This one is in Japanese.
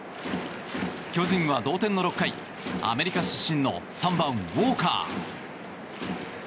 巨人は同点の６回アメリカ出身の３番、ウォーカー。